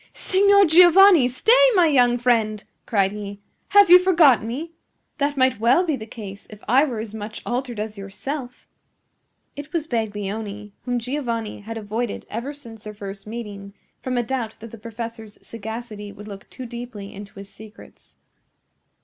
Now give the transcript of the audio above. "Signor Giovanni! Stay, my young friend!" cried he. "Have you forgotten me? That might well be the case if I were as much altered as yourself." It was Baglioni, whom Giovanni had avoided ever since their first meeting, from a doubt that the professor's sagacity would look too deeply into his secrets.